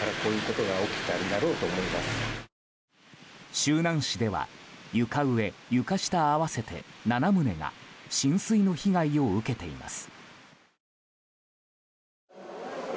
周南市では床上・床下合わせて７棟が浸水の被害を受けています。